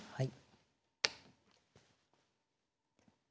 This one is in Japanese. はい。